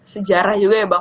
sejarah juga ya bang